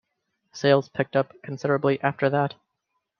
Sales picked up considerably after that.